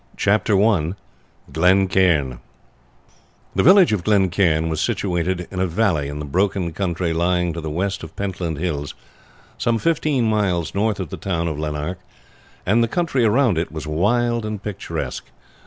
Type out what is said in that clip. Chapter I Glen Cairn The village of Glen Cairn was situated in a valley in the broken country lying to the west of the Pentland Hills, some fifteen miles north of the town of Lanark, and the country around it was wild and picturesque.